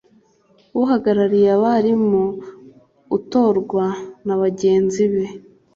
Uhagarariye abarimu utorwa na bagenzi be